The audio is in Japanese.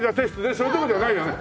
それどころじゃないよね。